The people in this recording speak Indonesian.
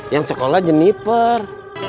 yang sekolah jeniper